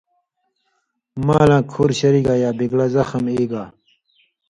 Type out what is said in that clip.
مالاں کُھور شری گا یا بِگلہ زخم ای گا